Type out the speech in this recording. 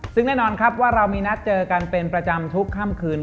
ซึ่งแน่นอนครับว่าเรามีนัดเจอกันเป็นประจำทุกค่ำคืน